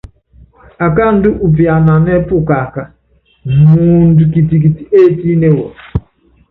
Akáaandú úpiananɛ́ pukaká, muundɔ kitikiti étíne wɔ.